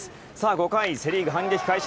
５回、セ・リーグは反撃開始。